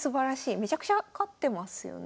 めちゃくちゃ勝ってますよね。